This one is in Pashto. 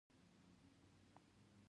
له څلور ګونو مذهبونو مخالفت وکړي